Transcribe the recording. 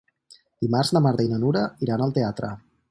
Dimarts na Marta i na Nura iran al teatre.